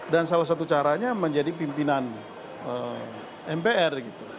dan salah satu caranya menjadi pimpinan mpr